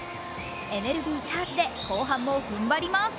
エネルギーチャージで後半も踏ん張ります。